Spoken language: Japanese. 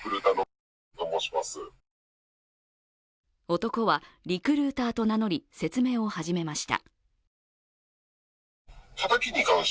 男はリクルーターと名乗り、説明を始めました。